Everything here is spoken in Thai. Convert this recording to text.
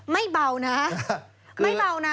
ไม่เบานะไม่เบานะ